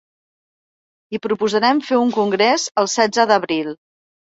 I proposarem fer un congrés el setze d’abril.